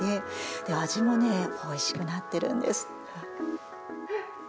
おいしくなってるんです。